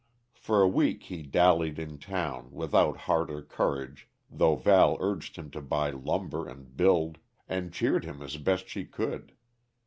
For a week he dallied in town, without heart or courage though Val urged him to buy lumber and build, and cheered him as best she could.